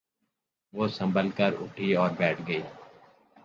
وہ سنبھل کر اٹھی اور بیٹھ گئی۔